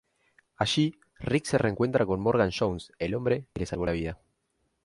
Allí, Rick se reencuentra con Morgan Jones, el hombre que le salvó la vida.